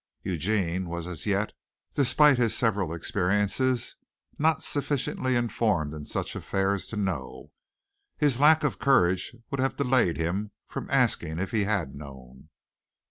Eugene was as yet, despite his several experiences, not sufficiently informed in such affairs to know. His lack of courage would have delayed him from asking if he had known.